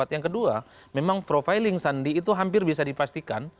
yang kedua memang profiling sandi itu hampir bisa dipastikan